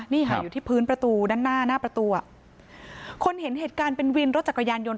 นี่ค่ะอยู่ที่พื้นประตูด้านหน้าหน้าประตูอ่ะคนเห็นเหตุการณ์เป็นวินรถจักรยานยนต